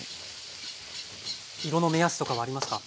色の目安とかはありますか？